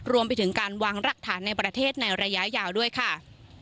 รวมไปถึงการวางรักฐานในประเทศในระยะยาวด้วยค่ะ